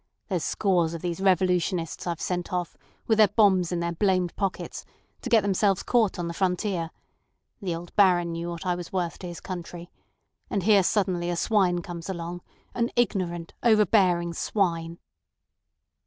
There's scores of these revolutionists I've sent off, with their bombs in their blamed pockets, to get themselves caught on the frontier. The old Baron knew what I was worth to his country. And here suddenly a swine comes along—an ignorant, overbearing swine."